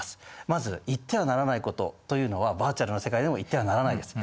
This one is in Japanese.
まず言ってはならないことというのはバーチャルの世界でも言ってはならないです。